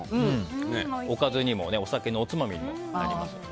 おかずにもお酒のおつまみにもなりますので。